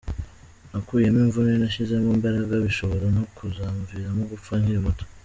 Nakuyemo imvune, nashizemo imbaraga bishobora no kuzamviramo gupfa nkiri muto.